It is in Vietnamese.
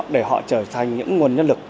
để họ trở thành những nguồn nhân lực